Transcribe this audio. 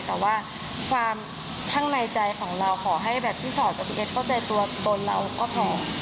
แต่ว่าความข้างในใจของเราขอให้แบบพี่ชอตกับพี่เอสเข้าใจตัวตนเราก็พอ